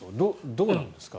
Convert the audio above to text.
どうなんですか？